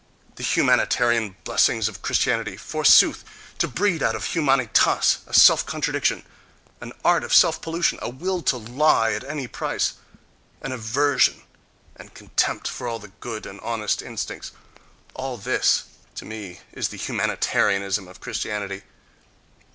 The "humanitarian" blessings of Christianity forsooth! To breed out of humanitas a self contradiction, an art of self pollution, a will to lie at any price, an aversion and contempt for all good and honest instincts! All this, to me, is the "humanitarianism" of Christianity!